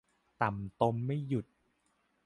ต่ำตมไม่หยุด